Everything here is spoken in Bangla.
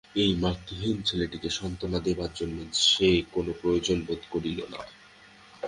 এই মাতৃহীন ছেলেটিকে সান্ত্বনা দিবার জন্য সে কোনো প্রয়োজন বোধ করিল না।